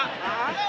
ya sangat kecewa pak